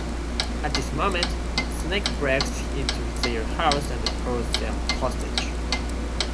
At this moment, Snake breaks into their house and holds them hostage.